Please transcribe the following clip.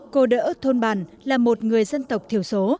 cô đỡ thôn bản là một người dân tộc thiểu số